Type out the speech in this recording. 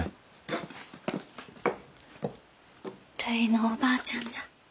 るいのおばあちゃんじゃ。